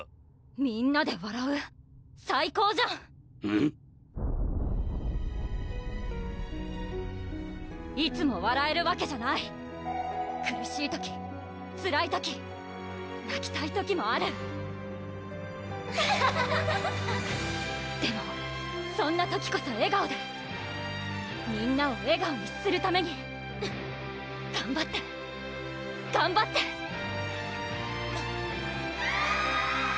みんなでわらう最高じゃんいつもわらえるわけじゃない苦しい時つらい時なきたい時もあるアハハハハでもそんな時こそ笑顔でみんなを笑顔にするために頑張って頑張って・キャー！